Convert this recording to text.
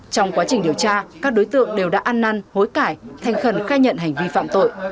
trong quá trình điều tra các đối tượng đều đã ăn năn hối cải thành khẩn khai nhận hành vi phạm tội